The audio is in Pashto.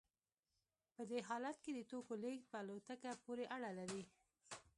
په دې حالت کې د توکو لیږد په الوتکه پورې اړه لري